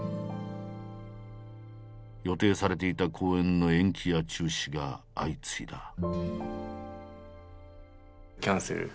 予定されていた公演の延期や中止が相次いだ。